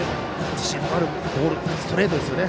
自信のあるボールストレートですよね。